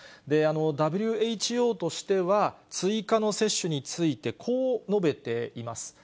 ＷＨＯとしては、追加の接種について、こう述べています。